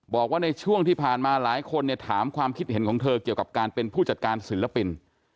บอกว่าในช่วงที่ผ่านมาหลายคนเนี่ยถามความคิดเห็นของเธอเกี่ยวกับการเป็นผู้จัดการศิลปิน